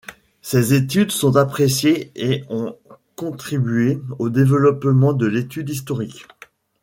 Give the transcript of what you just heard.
Ses études sont appréciées et ont contribué au développement de l’étude historique.